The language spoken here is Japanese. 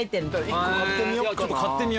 １個買ってみようかな。